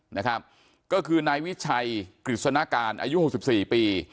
นะครับก็คือนายวิชัยกฤษณการอายุหกสิบสี่ปี